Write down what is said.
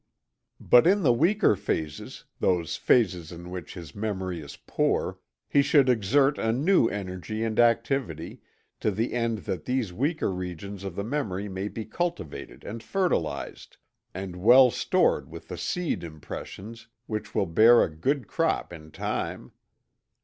But in the weaker phases, those phases in which his memory is "poor," he should exert a new energy and activity, to the end that these weaker regions of the memory may be cultivated and fertilized, and well stored with the seed impressions, which will bear a good crop in time.